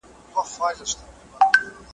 چي په پښو کي ئې زولنې